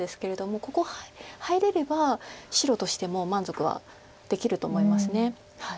ここ入れれば白としても満足はできると思います。